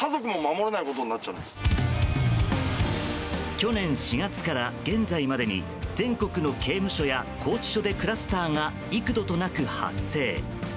去年４月から現在までに全国の刑務所や拘置所でクラスターが幾度となく発生。